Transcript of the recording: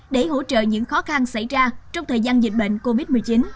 để hỗ trợ những khó khăn xảy ra trong thời gian dịch bệnh covid một mươi chín